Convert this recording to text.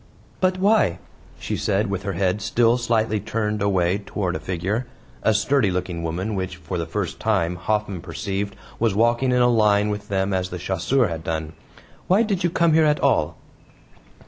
"But why," she said with her head still slightly turned away toward a figure a sturdy looking woman, which, for the first time, Hoffman perceived was walking in a line with them as the chasseur had done "why did you come here at all?"